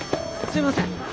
すいません。